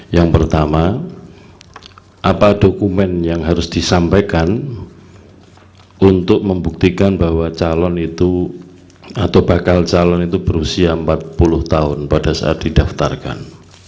yang pertama apa dokumen yang harus disampaikan untuk membuktikan bahwa calon itu atau bakal calon itu berusia empat puluh tahun pada saat didaftarkan